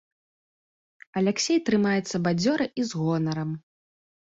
Аляксей трымаецца бадзёра і з гонарам.